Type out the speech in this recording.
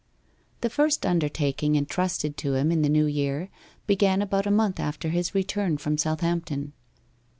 The first undertaking entrusted to him in the new year began about a month after his return from Southampton.